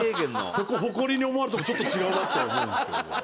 そこ誇りに思われてもちょっと違うなとは思うんですけど。